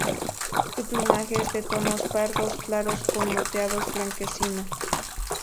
Su plumaje es de tonos pardos claros con moteado blanquecino.